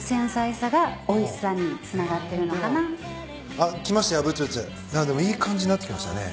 あっでもいい感じなってきましたね。